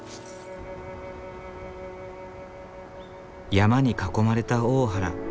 山に囲まれた大原。